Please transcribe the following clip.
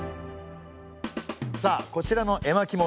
さあこちらの絵巻物